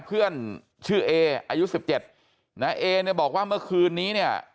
เพื่อนชื่อเออายุสิบเจ็ดนะเอเนี่ยบอกว่าเมื่อคืนนี้เนี่ย